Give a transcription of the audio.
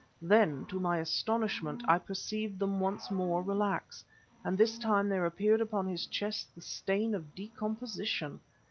Then, to my astonishment, I perceived them once more relax, and this time there appeared upon his chest the stain of decomposition.